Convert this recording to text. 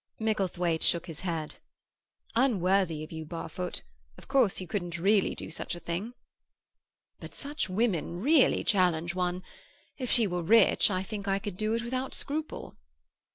Micklethwaite shook his head. "Unworthy of you, Barfoot. Of course you couldn't really do such a thing." "But such women really challenge one. If she were rich, I think I could do it without scruple."